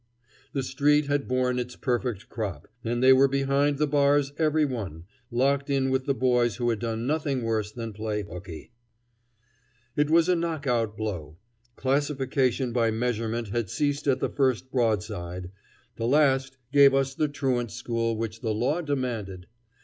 The street had borne its perfect crop, and they were behind the bars every one, locked in with the boys who had done nothing worse than play hooky. It was a knock out blow. Classification by measurement had ceased at the first broadside; the last gave us the truant school which the law demanded.